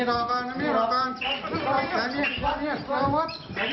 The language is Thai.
เอาเข้าไป